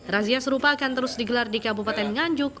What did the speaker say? razia serupa akan terus digelar di kabupaten nganjuk